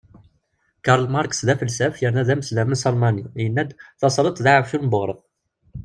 Karl Marx, d afelsaf yerna d amesdames Almani, yenna-d: Tasredt d aεefyun n uɣref.